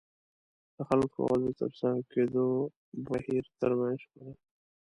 د خلکو او د ترسره کېدو د بهير ترمنځ شخړه.